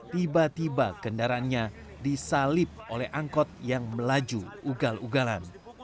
tiba tiba kendaraannya disalip oleh angkot yang melaju ugal ugalan